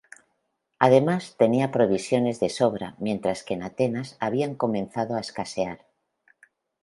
Además, tenía provisiones de sobra, mientras que en Atenas habían comenzado a escasear.